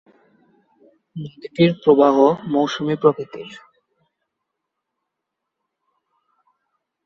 নদীটির প্রবাহ মৌসুমি প্রকৃতির।